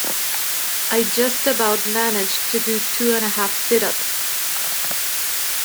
I just about managed to do two and a half sit-ups.